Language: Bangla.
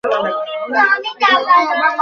রোগশোক বেড়েই চলছে।